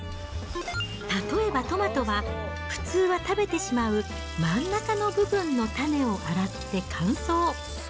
例えばトマトは、普通は食べてしまう真ん中の部分の種を洗って乾燥。